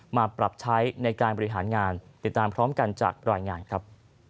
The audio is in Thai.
มาปรับใช้ในการบริหารงานติดตามพร้อมกันจากรายงานครับ